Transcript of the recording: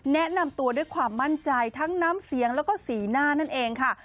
แนะนำตัวด้วยความมั่นใจทั้งน้ำเสียงแล้วก็สีหน้านั่นเองค่ะ